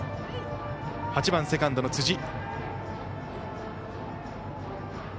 ８番セカンドの辻。